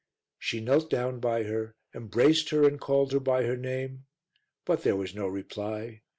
She knelt down by her, embraced her and called her by her name, but there was no reply.